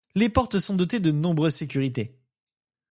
Les portes sont dotées de nombreuses sécurités.